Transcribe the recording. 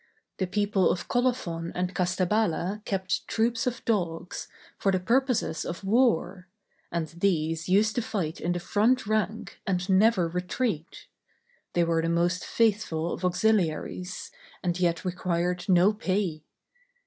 The people of Colophon and Castabala kept troops of dogs, for the purposes of war; and these used to fight in the front rank, and never retreat; they were the most faithful of auxiliaries, and yet required no pay.